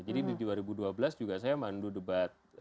jadi di dua ribu dua belas juga saya mandu debat